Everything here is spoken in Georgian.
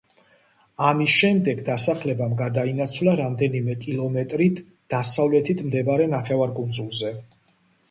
ამის შემდეგ დასახლებამ გადაინაცვლა რამდენიმე კილომეტრით დასავლეთით მდებარე ნახევარკუნძულზე.